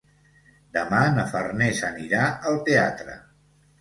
Demà na Farners anirà al teatre.